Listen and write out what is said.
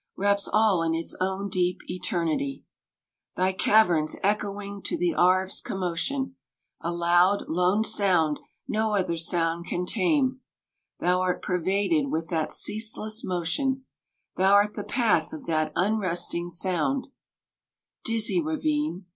177 Wraps all in its own deep eternity 5 — Thy caverns echoing to the Arve's commotion, A loud, lone sound no other sound can tame 5 Thou art pervaded with that ceaseless motion, Thou art the path of that unresting sound — Dizzy Ravine